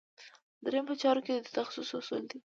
دریم په چارو کې د تخصص اصل دی.